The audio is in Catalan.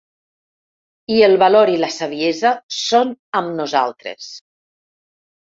I el valor i la saviesa són amb nosaltres.